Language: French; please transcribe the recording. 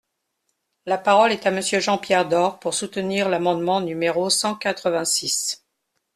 La parole est à Monsieur Jean-Pierre Door, pour soutenir l’amendement numéro cent quatre-vingt-six.